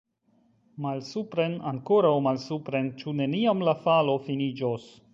Malsupren, ankoraŭ malsupren! Ĉu neniam la falo finiĝos?